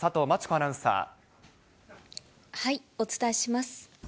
アお伝えします。